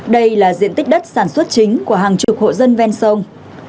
đây là diện tích đất sản xuất chính của hàng chục hộ dân ven sông